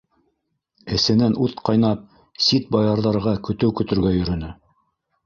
Эсенән ут ҡайнап, сит баярҙарға көтөү көтөргә йөрөнө.